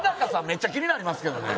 めっちゃ気になりますけどね。